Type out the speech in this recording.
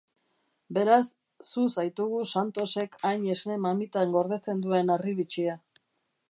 Beraz, zu zaitugu Santosek hain esne-mamitan gordetzen duen harribitxia.